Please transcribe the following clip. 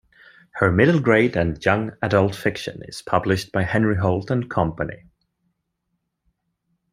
Her middle grade and young adult fiction is published by Henry Holt and Company.